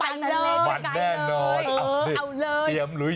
เออไปเลยวันแน่นอนเออเอาเลย